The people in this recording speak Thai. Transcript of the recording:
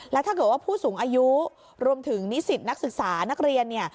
แล้วถ้าเกิดว่าผู้สูงอายุรวมถึงนิสิตนักศึกษานักเรียนเนี่ย